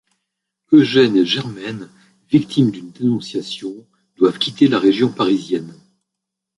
Eugène et Germaine, victimes d’une dénonciation, doivent quitter la région parisienne.